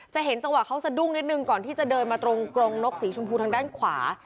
เห็นจังหวะเขาสะดุ้งนิดนึงก่อนที่จะเดินมาตรงกรงนกสีชมพูทางด้านขวา